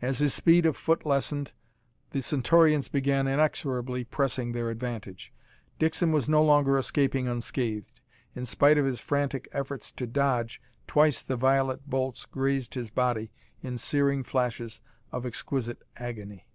As his speed of foot lessened the Centaurians began inexorably pressing their advantage. Dixon was no longer escaping unscathed. In spite of his frantic efforts to dodge, twice the violet bolts grazed his body in searing flashes of exquisite agony.